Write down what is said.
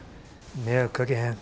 迷惑かけへん。